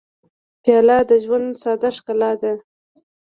پیاله د ژوند ساده ښکلا ده.